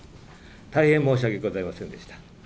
大変申し訳ございませんでした。